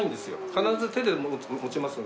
必ず手で持ちますので。